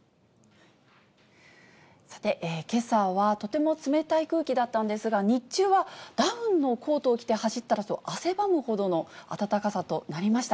さて、けさはとても冷たい空気だったんですが、日中はダウンのコートを着て走ったら汗ばむほどの暖かさとなりました。